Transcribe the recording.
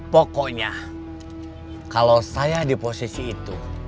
pokoknya kalau saya di posisi itu